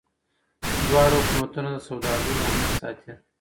دواړه حکومتونه د سوداګرو امنیت ساتي.